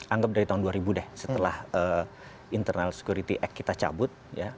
anggap dari tahun dua ribu deh setelah internal security act kita cabut